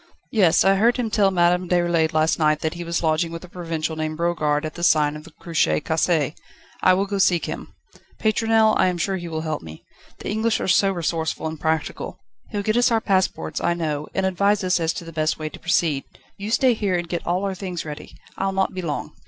"Yes; I heard him tell Madame Déroulède last night that he was lodging with a provincial named Brogard at the Sign of the Cruche Cassée. I'll go seek him, Pétronelle; I am sure he will help me. The English are so resourceful and practical. He'll get us our passports, I know, and advise us as to the best way to proceed. Do you stay here and get all our things ready. I'll not be long."